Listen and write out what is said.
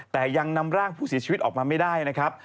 แต่ยังนำร่างผู้เสียชีวิตออกมาไม่ได้นะครับ